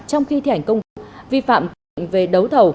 trong khi thi hành công tác vi phạm quy định về đấu thẩu